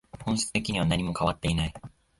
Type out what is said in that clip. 本質的には何も変わっていない